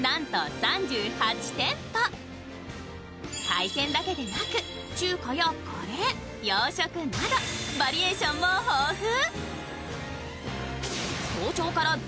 海鮮だけでなく、中華やカレー、洋食などバリエーションも豊富。